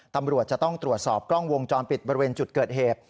ตำรวจจะต้องตรวจสอบกล้องวงจรปิดบริเวณจุดเกิดเหตุ